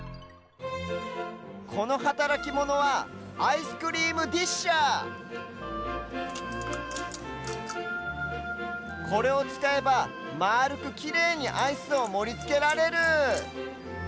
このはたらきモノはアイスクリームディッシャーこれをつかえばまあるくきれいにアイスをもりつけられる。